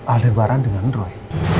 aldebaran dengan roy